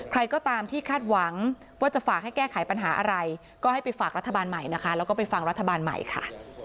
ใครก็ตามที่คาดหวังว่าจะฝากให้แก้ไขปัญหาอะไรก็ให้ไปฝากรัฐบาลใหม่นะคะแล้วก็ไปฟังรัฐบาลใหม่ค่ะ